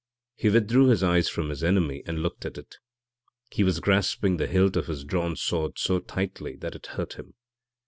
He withdrew his eyes from his enemy and looked at it. He was grasping the hilt of his drawn sword so tightly that it hurt him.